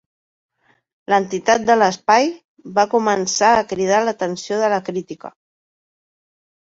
L'entitat de l'espai va començar a cridar l'atenció de la crítica.